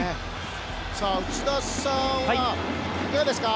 内田さんはいかがですか？